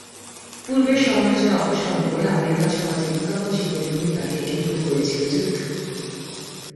পূর্বের সমালোচনা অপসারণ করে আমেরিকান সমাজে বিজ্ঞাপন-শিল্পের ভূমিকাকে একীভূত করেছিল যুদ্ধ।